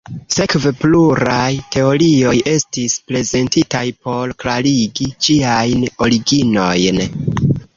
Sekve, pluraj teorioj estis prezentitaj por klarigi ĝiajn originojn.